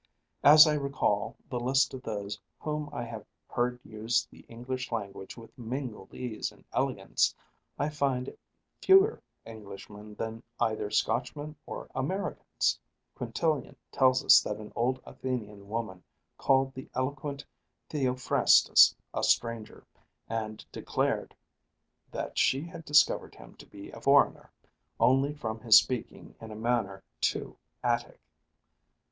As I recall the list of those whom I have heard use the English language with mingled ease and elegance, I find fewer Englishmen than either Scotchmen or Americans. Quintilian tells us that an old Athenian woman called the eloquent Theophrastus a stranger, and declared "that she had discovered him to be a foreigner only from his speaking in a manner too Attic."